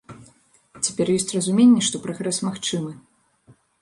Цяпер ёсць разуменне, што прагрэс магчымы.